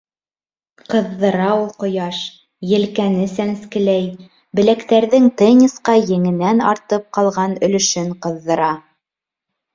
Ҡыҙҙыра ул ҡояш, елкәне сәнскеләй, беләктәрҙең тенниска еңенән артып ҡалған өлөшөн ҡыҙҙыра.